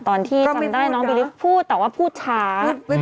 ตอนที่จำได้น้องบิลิฟต์พูดแต่ว่าพูดช้า